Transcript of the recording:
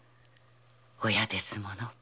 親ですもの。